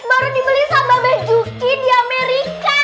baru dibeli sama bejuki di amerika